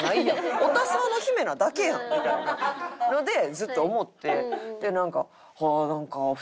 オタサーの姫なだけやんみたいなのでずっと思って。